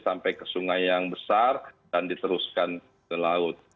sampai ke sungai yang besar dan diteruskan ke laut